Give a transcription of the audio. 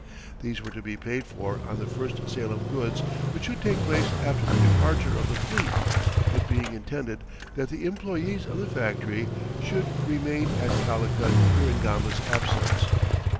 These were to be paid for on the first sale of goods which should take place after the departure of the fleet, it being intended that the employés of the factory should remain at Calicut during Gama's absence.